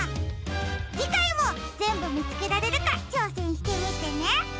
じかいもぜんぶみつけられるかちょうせんしてみてね！